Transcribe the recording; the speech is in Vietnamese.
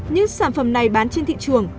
những sản phẩm này bán trên thị trường